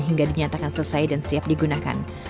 hingga dinyatakan selesai dan siap digunakan